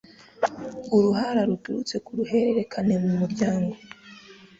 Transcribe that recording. Uruhara ruturutse ku ruhererekane mu muryango